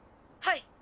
はい！